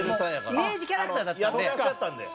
イメージキャラクターだったんで。